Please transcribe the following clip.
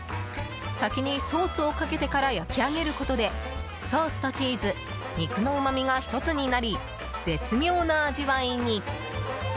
先にソースをかけてから焼き上げることでソースとチーズ、肉のうまみが１つになり、絶妙な味わいに。